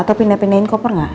atau pindah pindahin koper gak